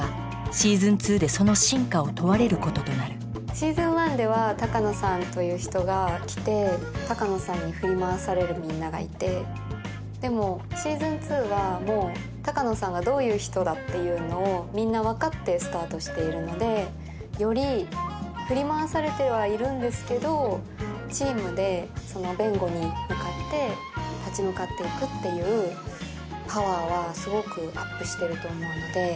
「Ｓｅａｓｏｎ１」では鷹野さんという人が来て鷹野さんに振り回されるみんながいてでも「Ｓｅａｓｏｎ２」はもう鷹野さんがどういう人だっていうのをみんな分かってスタートしているのでより振り回されてはいるんですけどチームでその弁護に向かって立ち向かっていくっていうパワーはすごくアップしてると思うので。